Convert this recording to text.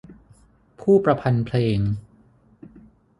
ผู้ประพันธ์เพลง